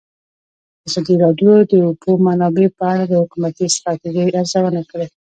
ازادي راډیو د د اوبو منابع په اړه د حکومتي ستراتیژۍ ارزونه کړې.